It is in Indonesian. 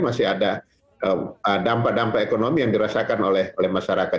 masih ada dampa dampa ekonomi yang dirasakan oleh masyarakat